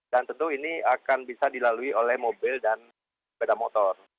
dan tentu ini akan bisa dilalui oleh mobil dan beda motor